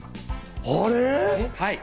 あれ？